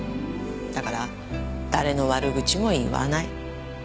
だから誰の悪口も言わない。